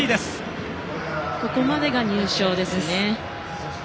ここまでが入賞です。